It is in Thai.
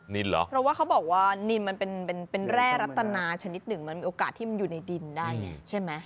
เหรอเพราะว่าเขาบอกว่านินมันเป็นแร่รัตนาชนิดหนึ่งมันมีโอกาสที่มันอยู่ในดินได้ไงใช่ไหม